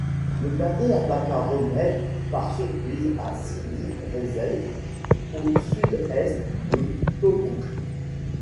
Le blindé attaqua Rommel par surprise à Sidi Rezegh, au sud-est de Tobrouk.